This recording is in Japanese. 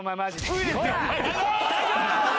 低いですよ！